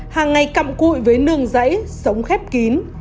hàng ngày cặm cụi với nương giấy sống khép kín